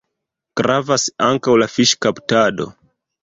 Gravas ankaŭ la fiŝkaptado.